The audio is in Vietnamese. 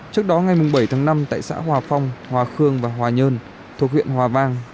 trước đó ngày bảy tháng năm tại xã hòa phong hòa khương và hòa nhơn thuộc huyện hòa vang